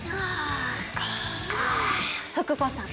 福子さん